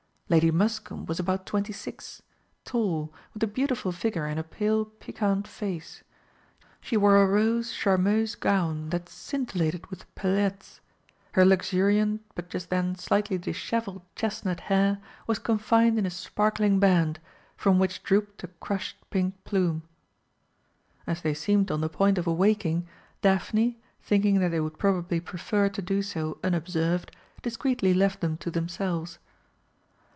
Lady Muscombe was about twenty six, tall, with a beautiful figure and a pale, piquant face; she wore a rose charmeuse gown that scintillated with paillettes; her luxuriant, but just then slightly dishevelled, chestnut hair was confined in a sparkling band, from which drooped a crushed pink plume. As they seemed on the point of awaking, Daphne, thinking that they would probably prefer to do so unobserved, discreetly left them to themselves.